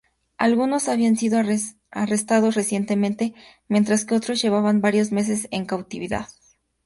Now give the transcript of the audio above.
Algunos habían sido arrestados recientemente, mientras que otros llevaban varios meses en cautividad.